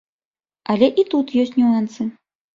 Але і тут ёсць нюансы.